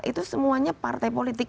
itu semuanya partai politik